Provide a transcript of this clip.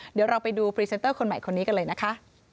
เดี๋ยวเราไปดูพรีเซนเตอร์คนใหม่คนนี้กันเลยนะคะ